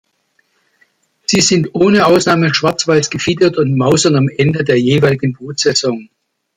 Sie sind ohne Ausnahme schwarz-weiß gefiedert und mausern am Ende der jeweiligen Brutsaison.